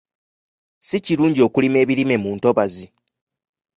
Si kirungi okulima ebirime mu ntobazi.